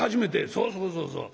「そうそうそうそう。